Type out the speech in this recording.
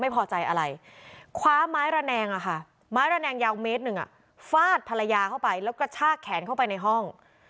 ไม้ระแนนกหยาวเม็ดหนึ่งอ่ะฟาดภรรยาเข้าไปแล้วก็ชากแขนเข้าไปในห้อง